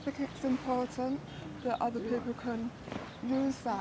karena mereka memberikan banyak keuntungan keuntungan